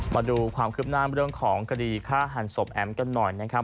มาดูความคืบหน้าเรื่องของคดีฆ่าหันศพแอ๋มกันหน่อยนะครับ